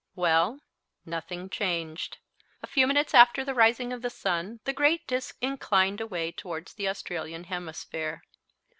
Well, nothing changed. A few minutes after the rising of the sun the great disc inclined away towards the Australian hemisphere.